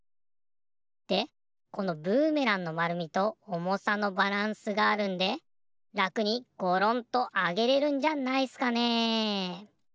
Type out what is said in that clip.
でこのブーメランのまるみとおもさのバランスがあるんでらくにゴロンとあげれるんじゃないっすかね。